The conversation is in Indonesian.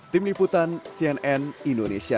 tim liputan cnn indonesia